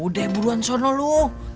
udah buruan sono lu